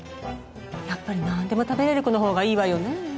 やっぱりなんでも食べれる子のほうがいいわよね？